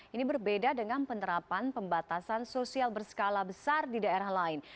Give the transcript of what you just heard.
ini berbeda dengan penerapan pembatasan sosial berskala besar di daerah lain